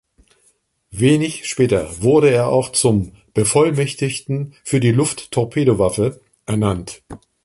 Wenig später wurde er auch zum „Bevollmächtigten für die Luft-Torpedowaffe“ ernannt.